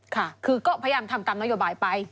ค่ะคือก็พยายามทำตามนโยบายไป